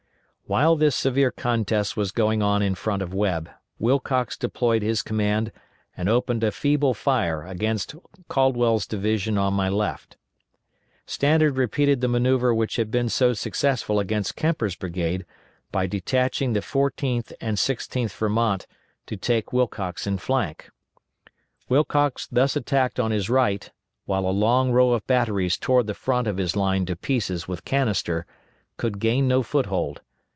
While this severe contest was going on in front of Webb, Wilcox deployed his command and opened a feeble fire against Caldwell's division on my left. Stannard repeated the manoeuvre which had been so successful against Kemper's brigade by detaching the 14th and 16th Vermont to take Wilcox in flank. Wilcox thus attacked on his right, while a long row of batteries tore the front of his line to pieces with canister, could gain no foothold.